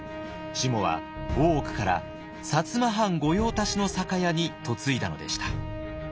しもは大奥から薩摩藩御用達の酒屋に嫁いだのでした。